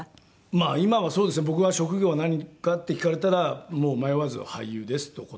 まあ今はそうですね。僕は「職業は何か？」って聞かれたらもう迷わず「俳優です」と答えますけど。